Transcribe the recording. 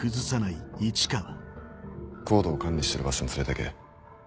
ＣＯＤＥを管理してる場所に連れてけ。